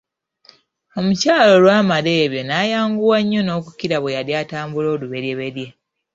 Omukyala olwamala ebyo nayanguwa nnyo nokukira bwe yali atambula olubereberye.